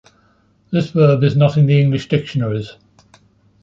This verb is not in the English dictionaries.